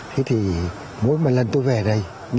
thế thì mỗi lần tôi về đây